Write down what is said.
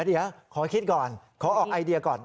เดี๋ยวขอคิดก่อนขอออกไอเดียก่อน